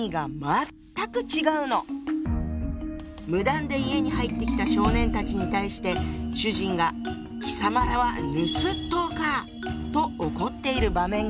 無断で家に入ってきた少年たちに対して主人が「貴様等はぬすっとうか」と怒っている場面があるわ。